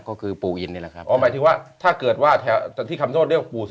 ก็คือปู่อินนี่แหละครับอ๋อหมายถึงว่าถ้าเกิดว่าแถวที่คำโนธเรียกว่าปู่ศิ